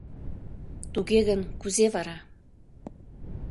Туге гын, кузе вара...